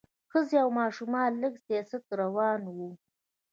ښځې او ماشومان لږ سست روان وو.